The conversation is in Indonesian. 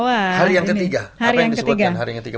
apa yang disebutkan hari yang ketiga